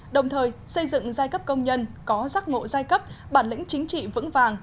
đồng thời xây dựng giai cấp công nhân có giác ngộ giai cấp bản lĩnh chính trị vững vàng